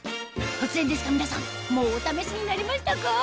突然ですが皆さんもうお試しになりましたか？